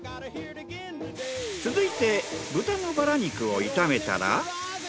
続いて豚のバラ肉を炒めたら。